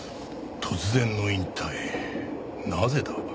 突然の引退なぜだ？